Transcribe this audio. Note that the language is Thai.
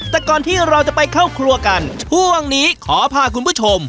แต่ก่อนที่เราจะไปเข้าครัวกันช่วงนี้ขอพาคุณผู้ชม